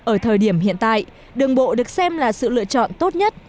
ở thời điểm hiện tại đường bộ được xem là sự lựa chọn tốt nhất